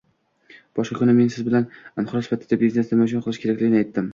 Boshqa kuni men siz bilan inqiroz paytida biznes uchun nima qilish kerakligini aytdim